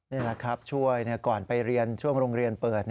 นี่แหละครับช่วยก่อนไปเรียนช่วงโรงเรียนเปิด